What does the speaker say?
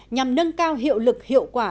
nhằm nâng cao hiệu lực hiệu quả